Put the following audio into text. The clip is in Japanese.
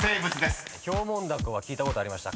「ヒョウモンダコ」聞いたことありました。